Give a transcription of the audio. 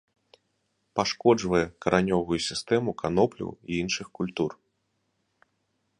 Пашкоджвае каранёвую сістэму канопляў і іншых культур.